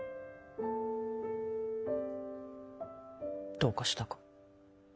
どうかしたか？